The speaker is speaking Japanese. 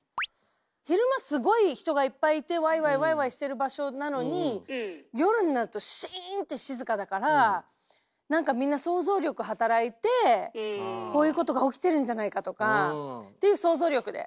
昼間すごい人がいっぱいいてワイワイワイワイしてる場所なのになんかみんな想像力働いてこういうことが起きてるんじゃないかとかっていう想像力で。